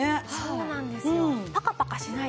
そうなんですよ。